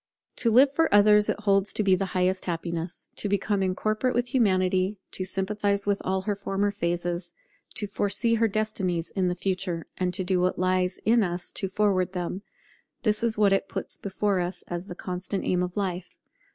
To live for others it holds to be the highest happiness. To become incorporate with Humanity, to sympathize with all her former phases, to foresee her destinies in the future, and to do what lies in us to forward them; this is what it puts before us as the constant aim of life.